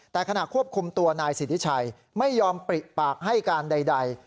แต่ขณะควบคุมตัวนายสิทธิชัยไม่ยอมปริปากให้การใด